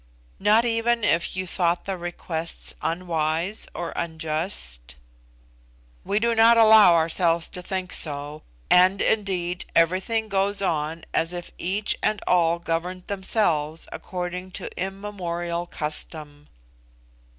"Not even if you thought the requests unwise or unjust?" "We do not allow ourselves to think so, and, indeed, everything goes on as if each and all governed themselves according to immemorial custom."